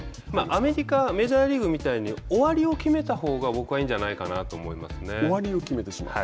アメリカのメジャーリーグみたいに終わりを決めたほうが僕はいいんじゃないかなと終わりを決めてしまう？